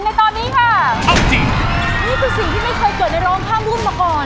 นี่คือสิ่งที่ไม่เคยเกิดในร้องภาพรุ่มมาก่อน